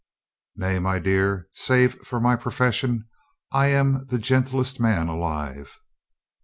Nay, my dear, save for my profession I am the gentlest man alive."